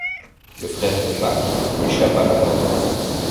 Le frère de Mack échappe à la mort.